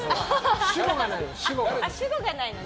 主語がない。